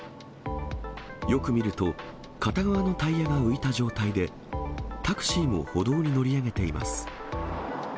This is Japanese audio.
よく見ると、片側のタイヤが浮いた状態で、タクシーも歩道に乗り上げています。